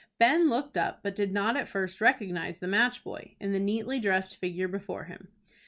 Ben looked up, but did not at first recognize the match boy in the neatly dressed figure before him.